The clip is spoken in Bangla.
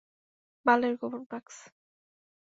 বালের গোপন বাক্স!